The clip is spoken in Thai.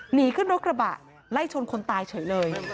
หนีขึ้นรถกระบะไล่ชนคนตายเฉยเลย